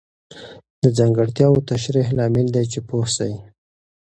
د ځانګړتیاوو تشریح لامل دی چې پوه سئ.